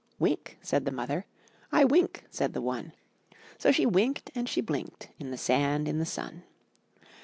'*Wink,'' said the mother; '1 wink," said the one; So she winked and she blinked In the sand, in the sun.